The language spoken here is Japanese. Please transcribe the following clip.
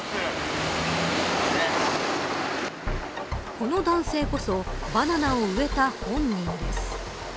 この男性こそバナナを植えた本人です。